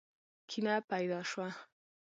کینه پیدا شوه.